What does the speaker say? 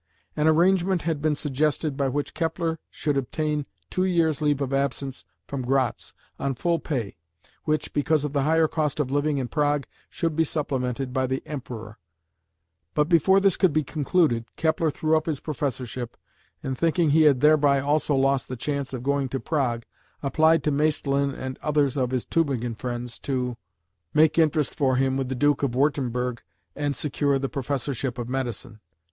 An arrangement had been suggested by which Kepler should obtain two years' leave of absence from Gratz on full pay, which, because of the higher cost of living in Prague, should be supplemented by the Emperor; but before this could be concluded, Kepler threw up his professorship, and thinking he had thereby also lost the chance of going to Prague, applied to Maestlin and others of his Tübingen friends to make interest for him with the Duke of Wurtemberg and secure the professorship of medicine.